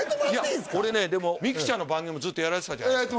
いや俺ねでもミクチャの番組ずっとやられてたじゃないですか